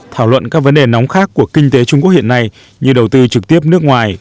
thảo luận các vấn đề nóng khác của kinh tế trung quốc hiện nay như đầu tư trực tiếp nước ngoài